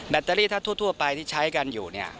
แบตเตอรี่ถ้าทั่วไปที่ใช้กันอยู่